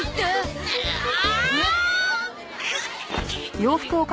ああ。